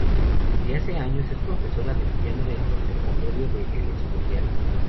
Desde hace años es profesora de piano en el conservatorio de El Escorial.